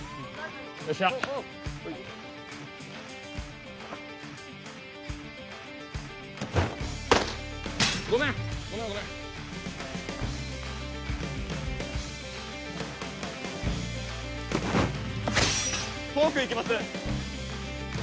よっしゃほいごめんごめんごめんフォークいきます